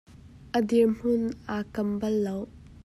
A dir hmun aa kam bal lo.